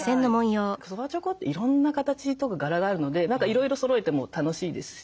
そばちょこっていろんな形とか柄があるので何かいろいろそろえても楽しいですし。